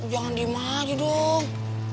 jangan diem aja dong